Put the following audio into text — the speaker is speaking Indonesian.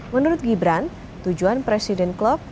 menurut gibran tujuan presiden klub